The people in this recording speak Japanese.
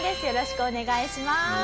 よろしくお願いします。